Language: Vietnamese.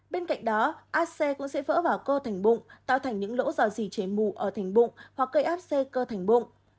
bên cạnh đó áp xe cũng sẽ vỡ vào cơ thành bụng tạo thành những lỗ dò dì chế mù ở thành bụng hoặc cây áp xe cơ thành bụng